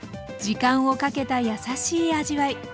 時間をかけたやさしい味わい。